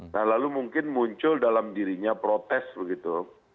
nah lalu mungkin muncul dalam dirinya protes begitu